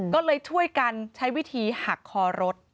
ก็เลยช่วยกันใช้วิธีหักคอรถ